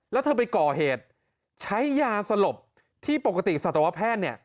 แล้วเธอไปก่อเหตุใช้ยาสลบที่ปกติสัตวแพทย์เนี่ย